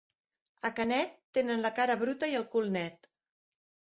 A Canet, tenen la cara bruta i el cul net.